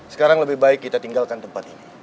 sekarang lebih baik kita tinggalkan tempat ini